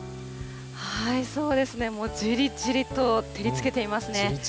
そうですね、もうじりじりと照りつけていますね。